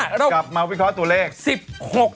กลับมาวิเคราะห์ตัวเลข๑๖